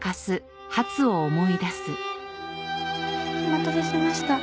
お待たせしました。